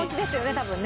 多分ね。